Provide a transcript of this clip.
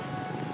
nek nene kenapa